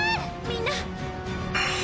みんな！